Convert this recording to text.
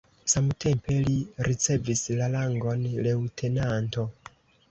Samtempe li ricevis la rangon leŭtenanto.